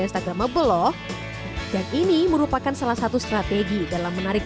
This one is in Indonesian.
instagramable loh dan ini merupakan salah satu strategi dalam menarik